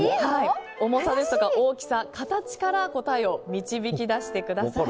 重さですとか大きさ、形から答えを導き出してください。